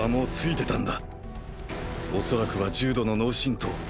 おそらくは重度の脳しんとう。